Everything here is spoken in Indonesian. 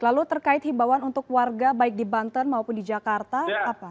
lalu terkait himbawan untuk warga baik di banten maupun di jakarta apa